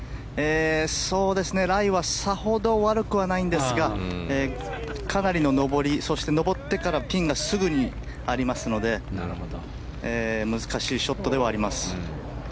ライはさほど悪くはないんですがかなりの上りそして上ってからピンがすぐにありますので難しいショットではあります。